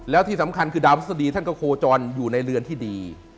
แล้วที่สำคัญคือดาวพฤษฎีท่านก็โคจรอยู่ในเรือนที่ดี